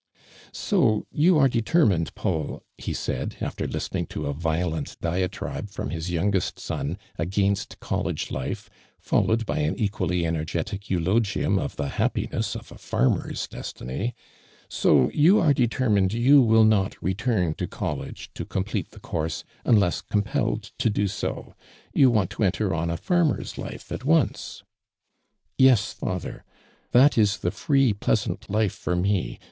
" So you are determined, Paul,' he said, after listening to a violent diatribe from hi * youngest >on against college life, followeil by an e<|Ualiy eneigetic eulogium of the happiness of a farmer's destiny, " so you are tletermined you will not return to col lege, to comi)lete the course, unless com pelled to do so ! You want to enter on a farmer's life at once".'"' *' Yes, father. That is the free, pleasant life for me!